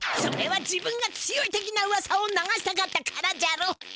それは自分が強い的なうわさを流したかったからじゃろう！